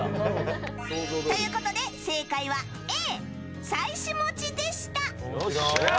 ということで、正解はＡ妻子持ちでした。